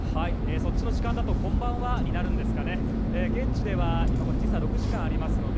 そっちの時間だとこんばんは、になるんですかね。